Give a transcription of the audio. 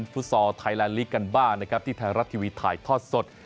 ฟุตซอลไทยแลนดลีกกันบ้างนะครับที่ไทยรัฐทีวีถ่ายทอดสด